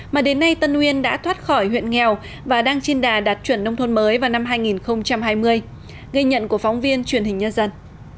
mà đến nay tân uyên đã thoát khỏi huyện nghèo và đang chiên đà đạt chuẩn nông thôn mới vào năm hai nghìn hai mươi ghi nhận của phóng viên truyền hình nhân dân